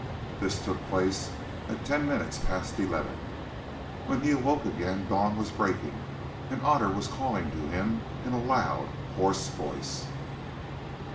This took place at ten minutes past eleven. When he awoke again dawn was breaking and Otter was calling to him in a loud, hoarse voice.